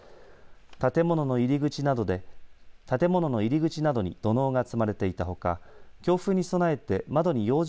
建物の入り口などで建物の入り口などに土のうが積まれていたほか強風に備えて窓に養生